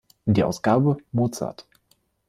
Die Ausgabe "Mozart.